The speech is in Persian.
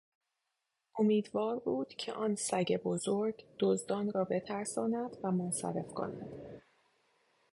امیدوار بود که آن سگ بزرگ دزدان را بترساند و منصرف کند.